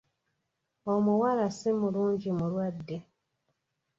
Omuwala si mulungi mulwadde!